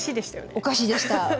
「おかし」でした。